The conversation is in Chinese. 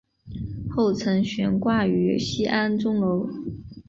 后曾悬挂于西安钟楼。